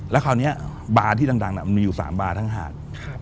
แล้วคราวนี้บาร์ที่ดังมันมีอยู่๓บาร์ทั้งหาด